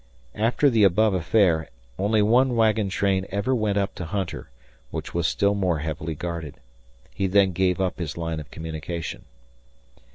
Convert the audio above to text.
After the above affair, only one wagon train ever went up to Hunter, which was still more heavily guarded. He then gave up his line of communication.